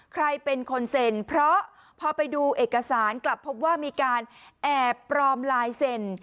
ใครเป็นคนเซ็นเพราะพอไปดูเอกสารกลับพบว่ามีการแอบปลอมลายเซ็น